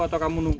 atau kamu nunggu